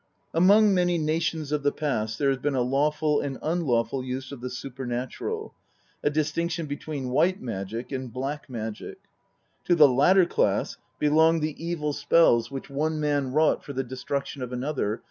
Among many nations of the past there has been a lawful and unlawful use of the supernatural, a distinction between "white magic" and " black magic." To the latter class belonged the evil spells which * See " Cult of Otkin," by H. M. Chudwick. INTRODUCTION. xxxi one man wrought for the destruction of another (st.